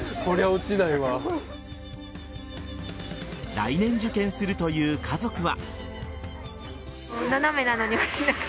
来年、受験するという家族は。